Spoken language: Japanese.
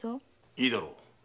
いいだろう。